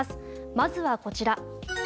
まずはこちら。